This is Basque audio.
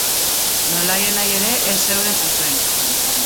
Nolanahi ere, ez zeuden zuzen.